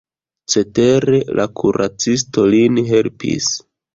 Cetere la kuracisto lin helpis.